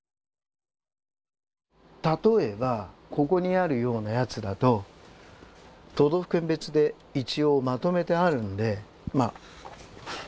例えばここにあるようなやつだと都道府県別で一応まとめてあるんで。